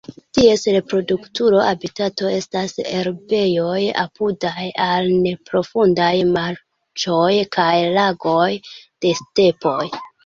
Ties reprodukta habitato estas herbejoj apudaj al neprofundaj marĉoj kaj lagoj de stepoj.